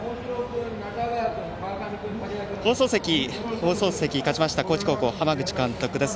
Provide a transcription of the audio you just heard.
放送席勝ちました高知高校の浜口監督です。